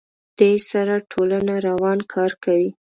دې سره ټولنه روان کار کوي.